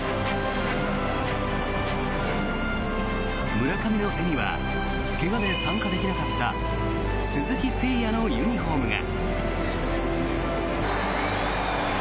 村上の手には怪我で参加できなかった鈴木誠也のユニホームが。